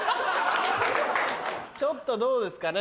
ちょっとどうですかね？